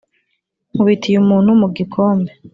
Nkubitiye umuntu mu gikombe,